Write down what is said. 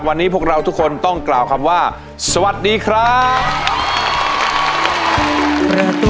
วันนี้พวกเราทุกคนต้องกล่าวคำว่าสวัสดีครับ